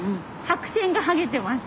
白線がはげてます。